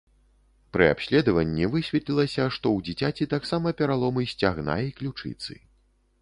Пры абследаванні высветлілася, што ў дзіцяці таксама пераломы сцягна і ключыцы.